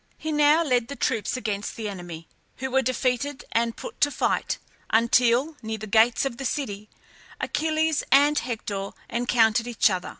He now led the troops against the enemy, who were defeated and put to flight until, near the gates of the city, Achilles and Hector encountered each other.